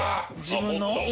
自分の？